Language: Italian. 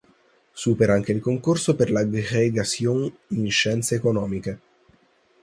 Supera anche il concorso per l"'Agrégation" in scienze economiche.